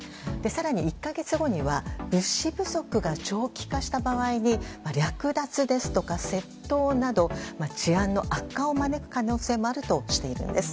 更に１か月後には物資不足が長期化した場合に略奪ですとか、窃盗など治安の悪化を招く可能性もあるとしているんです。